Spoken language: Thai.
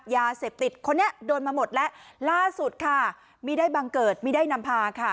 ยาเสพติดคนนี้โดนมาหมดแล้วล่าสุดค่ะมีได้บังเกิดมีได้นำพาค่ะ